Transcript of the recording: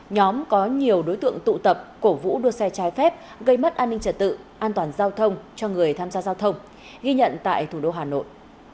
nhóm có nhiều đối tượng tụ tập cổ vũ đua xe trái phép gây mất an ninh trật tự an toàn giao thông cho người tham gia giao thông ghi nhận tại thủ đô hà nội